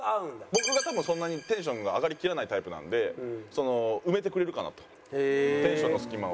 僕が多分そんなにテンションが上がりきらないタイプなので埋めてくれるかなとテンションの隙間を。